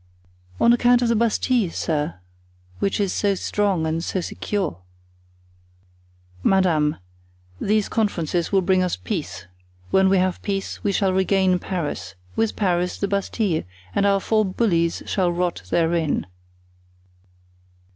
"On account of the Bastile, sir, which is so strong and so secure." "Madame, these conferences will bring us peace; when we have peace we shall regain Paris; with Paris, the Bastile, and our four bullies shall rot therein."